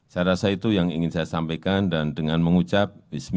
saya rasa itu yang ingin saya sampaikan dan dengan mengucap bismil